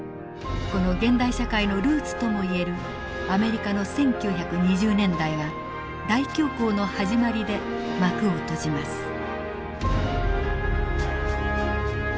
この現代社会のルーツともいえるアメリカの１９２０年代は大恐慌の始まりで幕を閉じます。